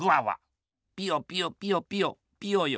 ピヨピヨピヨピヨピヨヨ。